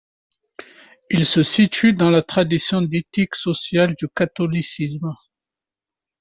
Il se situe dans la tradition d'éthique sociale du catholicisme.